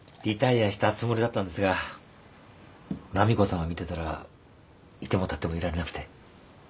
リタイアしたつもりだったんですが波子さんを見てたらいてもたってもいられなくて。